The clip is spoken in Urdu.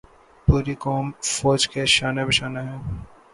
پوری قوم فوج کے شانہ بشانہ ہے۔